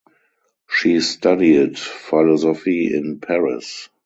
She studied philosophy in Paris.